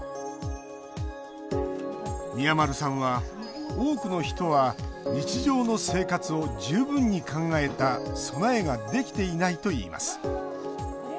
宮丸さんは、多くの人は日常の生活を十分に考えた備えができていないといいます。